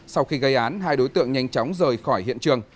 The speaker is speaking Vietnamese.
sau khi gây án hai đối tượng nhanh chóng rời khỏi hiện trường